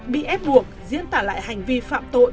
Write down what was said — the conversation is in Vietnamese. bị ép buộc diễn tả lại hành vi phạm tội